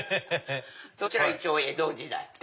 そちら江戸時代。